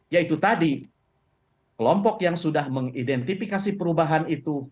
yaitu tadi kelompok yang sudah mengidentifikasi perubahan itu